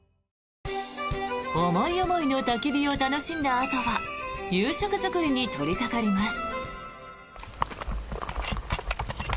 思い思いのたき火を楽しんだあとは夕食作りに取りかかります。